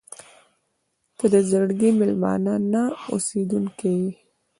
• ته د زړګي مېلمانه نه، اوسېدونکې یې.